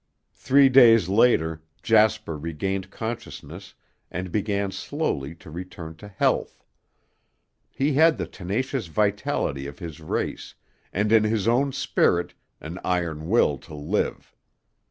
Three days later Jasper regained consciousness and began slowly to return to health. He had the tenacious vitality of his race, and, in his own spirit, an iron will to live.